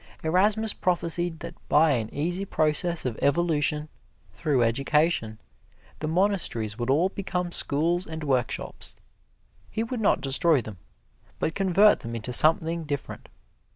Erasmus prophesied that by an easy process of evolution, through education, the monasteries would all become schools and workshops. He would not destroy them, but convert them into something different.